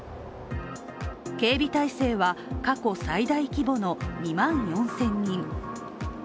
警備体勢は過去最大規模の２万４０００人。